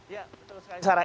ya betul sekali sarah